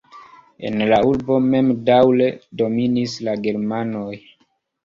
En la urbo mem daŭre dominis la germanoj.